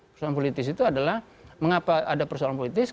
persoalan politis itu adalah mengapa ada persoalan politis